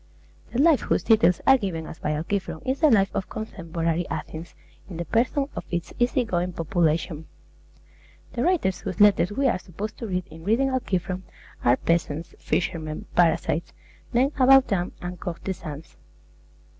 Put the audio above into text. The life whose details are given us by Alciphron is the life of contemporary Athens in the persons of its easy going population. The writers whose letters we are supposed to read in reading Alciphron are peasants, fishermen, parasites, men about town, and courtesans.